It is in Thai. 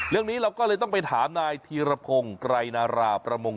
เราก็เลยต้องไปถามนายธีรพงศ์ไกรนาราประมง